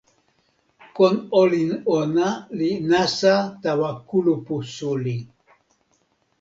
kon olin ona li nasa tawa kulupu suli.